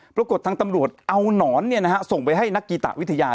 ๑๕โปรกฎทั้งตำรวจเอาหนอนเนี่ยนะจะส่งไปให้นักกีตาร์วิทยา